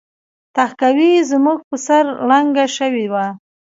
تهکوي زموږ په سر ړنګه شوې وه